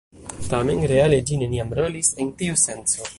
Tamen reale ĝi neniam rolis en tiu senco.